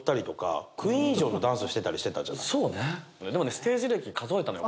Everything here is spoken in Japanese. ステージ歴数えたのよ